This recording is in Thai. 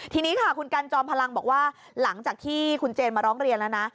ทีนี้ค่ะคุณกันจอมพลังบอกว่าหลังจากที่คุณเจนมาร้องเรียนแล้วนะ